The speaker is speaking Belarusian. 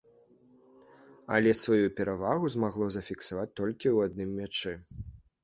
Але сваю перавагу змагло зафіксаваць толькі ў адным мячы.